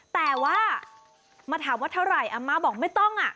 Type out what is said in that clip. แต่ว่ามาถามว่าเท่าไหร่อาม่าบอกไม่ต้องอ่ะ